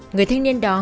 người thanh niên đó